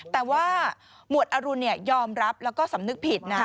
แต่ว่าหมวดอรุณยอมรับแล้วก็สำนึกผิดนะ